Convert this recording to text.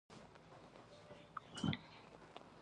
ازادي راډیو د اقتصاد په اړه د عبرت کیسې خبر کړي.